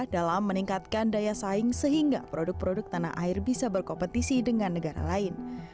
dalam meningkatkan daya saing sehingga produk produk tanah air bisa berkompetisi dengan negara lain